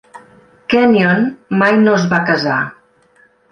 Kenyon mai no es va casar.